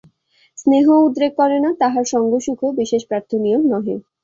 স্নেহও উদ্রেক করে না, তাহার সঙ্গসুখও বিশেষ প্রার্থনীয় নহে।